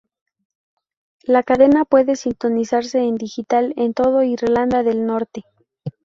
La cadena puede sintonizarse en digital en todo Irlanda del Norte.